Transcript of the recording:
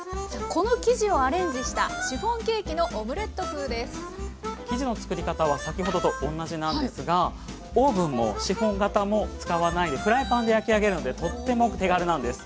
この生地をアレンジした生地の作り方は先ほどとおんなじなんですがオーブンもシフォン型も使わないでフライパンで焼き上げるのでとっても手軽なんです。